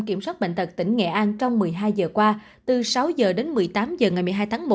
kiểm soát bệnh tật tỉnh nghệ an trong một mươi hai giờ qua từ sáu h đến một mươi tám h ngày một mươi hai tháng một